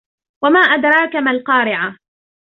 وَمَا أَدْرَاكَ مَا الْقَارِعَةُ